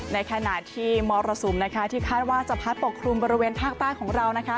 ในขณะที่มรสุมที่คาดว่าจะพัดปกครุมบริเวณภาคใต้ของเรา